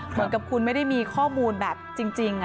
เหมือนกับคุณไม่ได้มีข้อมูลแบบจริง